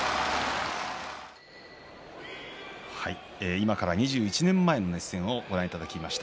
今から２１年前の熱戦をご覧いただきました。